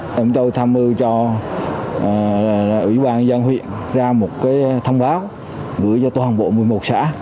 chúng tôi tham ưu cho ủy ban nhân dân huyện ra một thông báo gửi cho toàn bộ một mươi một xã